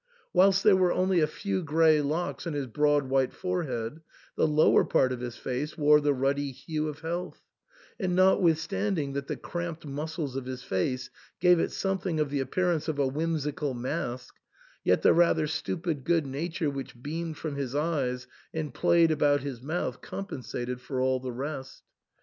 Whilst there were only a few grey locks on his broad white forehead, the lower part of his face wore the ruddy hue of health ; and, notwithstanding that the cramped muscles of his face gave it something of the appearance of a whimsical mask, yet the rather stupid good nature which beamed from his eyes and played about his mouth compensated for all the rest.